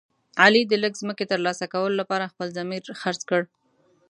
علي د لږ ځمکې تر لاسه کولو لپاره خپل ضمیر خرڅ کړ.